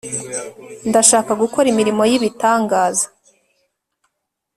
Ndashaka gukora imirimo yibitangaza